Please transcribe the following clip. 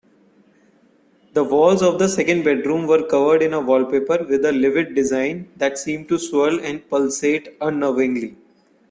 The walls of the second bedroom were covered in a wallpaper with a livid design that seemed to swirl and pulsate unnervingly.